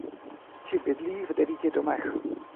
Ti bydlí v devíti domech.